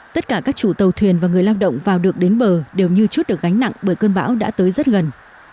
tất cả các chủ tàu thuyền và người lao động vào được đến bờ đều như chút được gánh nặng bởi cơn bão đã tới rất gần